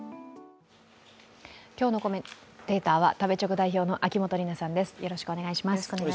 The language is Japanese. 今日のコメンテーターは、食べチョク代表の秋元里奈さんです。